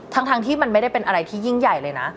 ทั้งที่มันไม่ได้เป็นอะไรที่ยิ่งใหญ่เลยนะ